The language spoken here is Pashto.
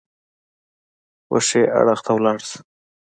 وښي اړخ ته ولاړ شه !